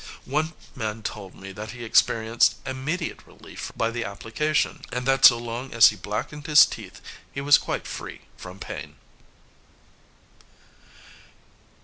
One man told me that he experienced immediate relief by the application, and that so long as he blackened his teeth he was quite free from pain.